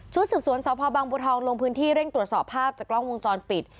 สืบสวนสพบังบัวทองลงพื้นที่เร่งตรวจสอบภาพจากกล้องวงจรปิด